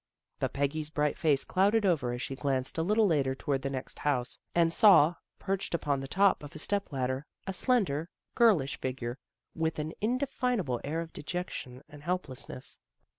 But Peggy's bright face clouded over as she glanced a little later toward the next house, and saw, perched upon the top of a step ladder, a slender, girlish figure, with an in definable ah" of dejection and helplessness.